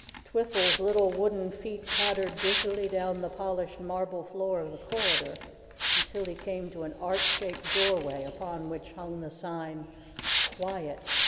Twiffle's little wooden feet pattered busily down the polished marble floor of the corridor, until he came to an arch shaped doorway upon which hung the sign: QUIET!